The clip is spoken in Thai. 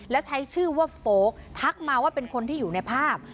แล้วใช้ชื่อว่าโฟลกทักมาว่าเป็นคนที่อยู่ในภาพ